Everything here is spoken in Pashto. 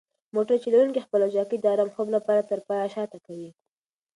موټر چلونکی خپله چوکۍ د ارام خوب لپاره تر پایه شاته کوي.